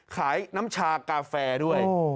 ขายน้ำชากาแฟด้วย